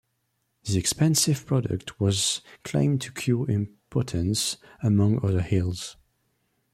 The expensive product was claimed to cure impotence, among other ills.